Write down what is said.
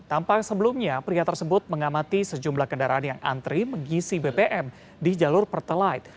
tampak sebelumnya pria tersebut mengamati sejumlah kendaraan yang antri mengisi bbm di jalur pertalite